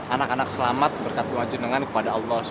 anak anak selamat berkat kewajinangan kepada allah swt